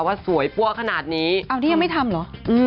ว่าสวยปั้วขนาดนี้อ้าวนี่ยังไม่ทำเหรอ